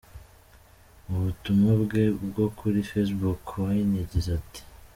Mu butumwa bwe bwo kuri Facebook, Wine yagize ati: .